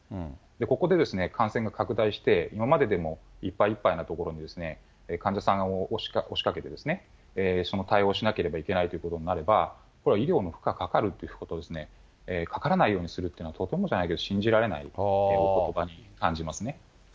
ここで感染が拡大して、今まででもいっぱいいっぱいなところに、患者さんが押しかけて、その対応をしなければいけないということになれば、これは医療の負荷かかるということ、かからないようにするというのはとてもじゃないですけれども、信じられないということばに感じ